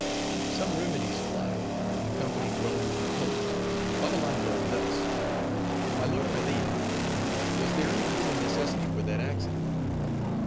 Some remedies applied, and the company grown composed, Babbalanja thus:—"My lord Media, was there any human necessity for that accident?"